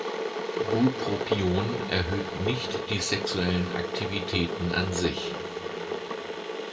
Bupropion erhöht nicht die sexuellen Aktivitäten an sich.